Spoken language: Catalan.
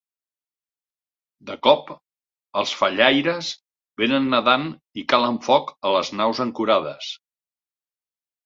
De cop, els fallaires venen nedant i calen foc a les naus ancorades.